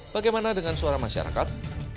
bagaimana dengan suara masyarakat